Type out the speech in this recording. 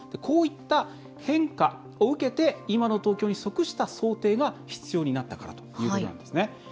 こういった変化を受けて今の東京に即した想定が必要になったからということなんですね。